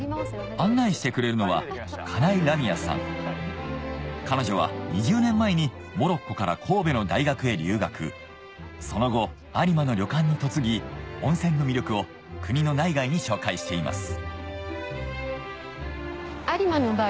案内してくれるのは彼女は２０年前にモロッコから神戸の大学へ留学その後有馬の旅館に嫁ぎ温泉の魅力を国の内外に紹介しています